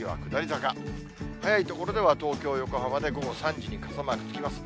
早い所では東京、横浜で午後３時に傘マークつきます。